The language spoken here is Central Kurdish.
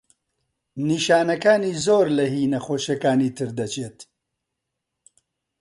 نیشانەکانی زۆر لە هی نەخۆشییەکانی تر دەچێت.